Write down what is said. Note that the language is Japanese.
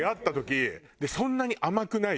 でそんなに甘くない。